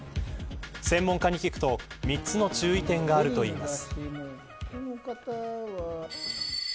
専門家に聞くと３つの注意点があるといいます。